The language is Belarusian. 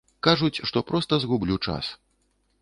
Кажуць, што проста згублю час.